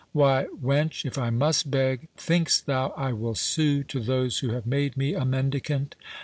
—Why, wench, if I must beg, think'st thou I will sue to those who have made me a mendicant?